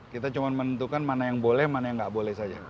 kita cuma menentukan mana yang boleh mana yang nggak boleh saja